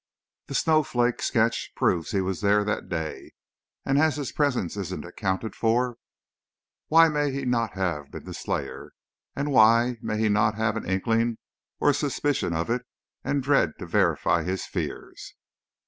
That snowflake sketch proves he was there that day and as his presence isn't accounted for, why may he not have been the slayer? And, why may he not have an inkling or a suspicion of it, and dread to verify his fears?"